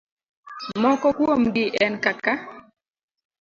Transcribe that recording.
Moko kuomgi en kaka: